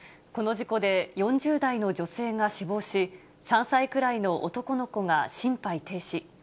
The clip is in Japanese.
この事故で、４０代の女性が死亡し、３歳くらいの男の子が心肺停止。